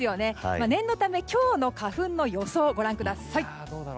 念のため、今日の花粉の予想をご覧ください。